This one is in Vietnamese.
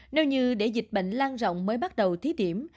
nếu như để dịch bệnh lan rộng mới bắt đầu thí điểm